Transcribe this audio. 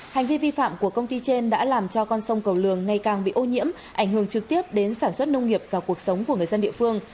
hành vi vi phạm của công ty trên đã làm cho con sông cầu lường ngày càng bị ô nhiễm ảnh hưởng trực tiếp đến sản xuất nông nghiệp và cuộc sống của người dân địa phương